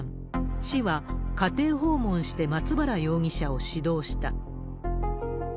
市は家庭訪問して、松原容疑者を指導した。